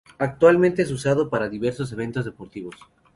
Actualmente es usado para diversos eventos deportivos.